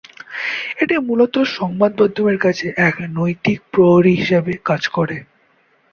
এটি মূলত সংবাদ মাধ্যমের কাছে এক নৈতিক প্রহরী হিসাবে কাজ করে।